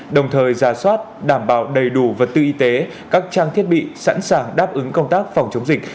đồng thời ra soát đảm bảo đầy đủ vật tư y tế các trang thiết bị sẵn sàng đáp ứng công tác phòng chống dịch